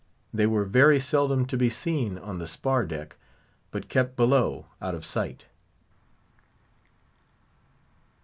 They were very seldom to be seen on the spar deck, but kept below out of sight.